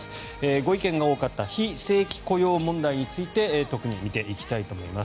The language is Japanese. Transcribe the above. ご意見が多かった非正規雇用問題について特に見ていきたいと思います。